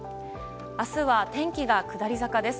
明日は天気が下り坂です。